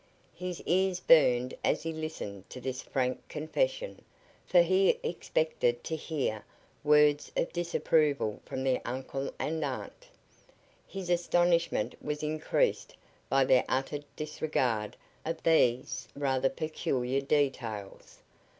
His ears burned as he listened to this frank confession, for he expected to hear words of disapproval from the uncle and aunt. His astonishment was increased by their utter disregard of these rather peculiar details.